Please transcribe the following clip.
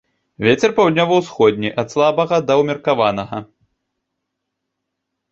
Вецер паўднёва-ўсходні, ад слабага да ўмеркаванага.